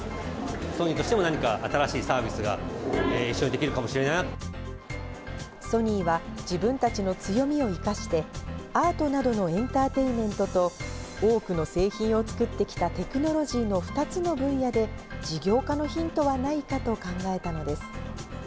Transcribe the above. ソニーとしても何か新しいサービスが一緒にできるかもしれないなソニーは自分たちの強みを生かして、アートなどのエンターテインメントと多くの製品を作ってきたテクノロジーの２つの分野で、事業化のヒントはないかと考えたのです。